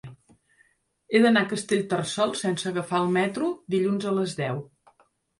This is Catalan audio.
He d'anar a Castellterçol sense agafar el metro dilluns a les deu.